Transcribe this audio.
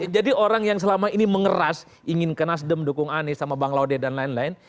jadi orang yang selama ini mengeras ingin ke nasdem dukung anies sama bang laude dan lain lain